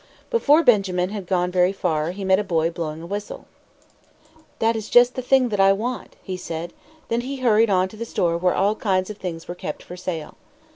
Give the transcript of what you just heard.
Before Benjamin had gone very far he met a boy blowing a whistle. "That is just the thing that I want," he said. Then he hurried on to the store where all kinds of things were kept for sale.